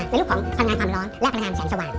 เป็นรูปของพลังงานความร้อนและพลังงานแสงสว่าง